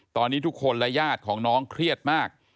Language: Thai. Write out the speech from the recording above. ตอนนี้ทุกคนและญาติของน้องเครียดมาก